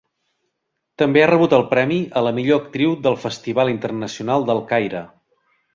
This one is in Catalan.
També ha rebut el Premi a la millor actriu del Festival Internacional del Caire.